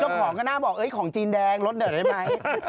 เจ้าของก็น่าบอกของจีนแดงลดเดิดได้ไหม